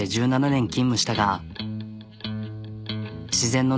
１７年勤務したが。